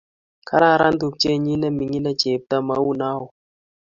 kararan tupchenyin ne mining ne chepto, mou noee?